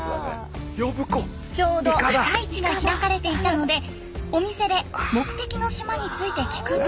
ちょうど朝市が開かれていたのでお店で目的の島について聞くと。